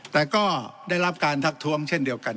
แต่ก็ได้รับการทักท้วงเช่นเดียวกัน